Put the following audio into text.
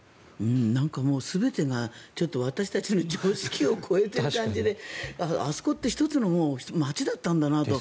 なんか、全てがちょっと私たちの常識を超えている感じであそこって１つの街だったんだなと。